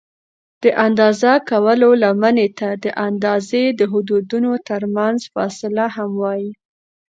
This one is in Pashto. د اندازه کولو لمنې ته د اندازې د حدونو ترمنځ فاصله هم وایي.